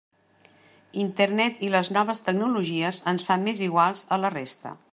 Internet i les noves tecnologies ens fa més iguals a la resta.